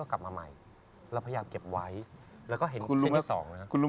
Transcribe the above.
แต่เขาตัดได้มั้ยอันนี้อย่างนี้อย่างนี้อย่างนี้